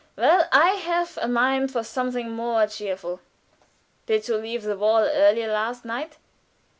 Well, I have a mind for something more cheerful. Did you leave the ball early last night?"